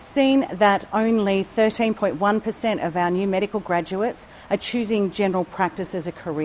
sementara itu dr kenneth mccrory